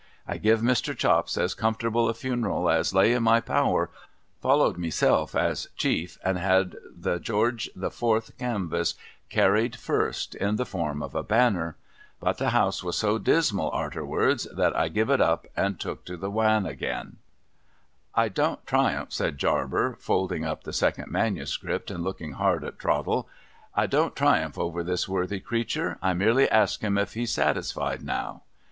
I giv Mr. Chops as comfortable a funeral as lay in my power, followed myself as Chief, and had the George the Fourth canvass carried first, in the form of a banner. But, the House was so dismal arterwards, that I giv it up, and took to the AVan again. ' I don't triumph,' said Jarber, folding up the second manuscript, and looking hard at Trottle. ' I don't triumph over this worthy creature. I merely ask him if he is satisfied now